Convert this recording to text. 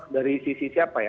dari sisi siapa ya